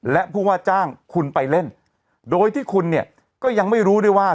และผู้ว่าจ้างคุณไปเล่นโดยที่คุณเนี่ยก็ยังไม่รู้ด้วยว่า